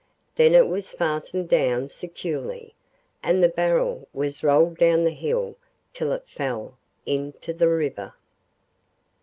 Then it was fastened down securely, and the barrel was rolled down the hill till it fell into the river.